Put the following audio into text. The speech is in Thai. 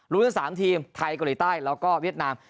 ทั้ง๓ทีมไทยเกาหลีใต้แล้วก็เวียดนาม